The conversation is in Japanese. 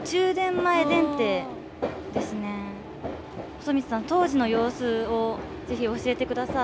細光さん当時の様子をぜひ教えてください。